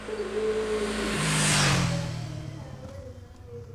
Následující měsíc byl jeho regiment přesunut na východní frontu.